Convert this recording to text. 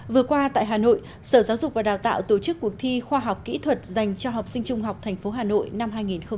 vừa qua tại hà nội sở giáo dục và đào tạo tổ chức cuộc thi khoa học kỹ thuật dành cho học sinh trung học thành phố hà nội năm hai nghìn một mươi bảy